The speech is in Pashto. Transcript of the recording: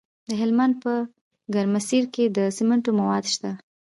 د هلمند په ګرمسیر کې د سمنټو مواد شته.